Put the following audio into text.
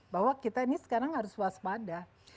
bahwa kita ini sekarang harus waspada